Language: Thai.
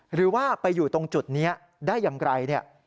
หรือว่าไปอยู่ตรงจุดนี้ได้ยำไกล